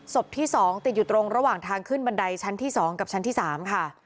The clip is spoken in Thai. ที่๒ติดอยู่ตรงระหว่างทางขึ้นบันไดชั้นที่๒กับชั้นที่๓ค่ะ